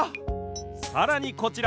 さらにこちら！